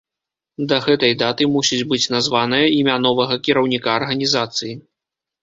Да гэтай даты мусіць быць названае імя новага кіраўніка арганізацыі.